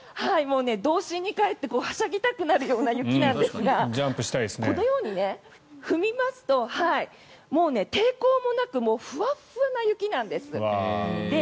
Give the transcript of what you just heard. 童心に帰ってはしゃぎたくなるような雪なんですがこのように踏みますと抵抗もなくふわふわな雪なんです。